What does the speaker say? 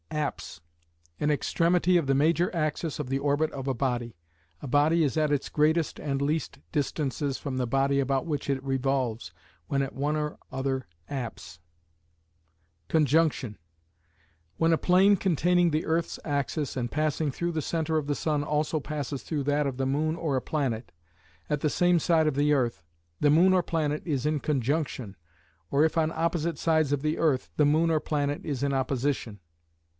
Apse: An extremity of the major axis of the orbit of a body; a body is at its greatest and least distances from the body about which it revolves, when at one or other apse. Conjunction: When a plane containing the earth's axis and passing through the centre of the sun also passes through that of the moon or a planet, at the same side of the earth, the moon or planet is in conjunction, or if on opposite sides of the earth, the moon or planet is in opposition.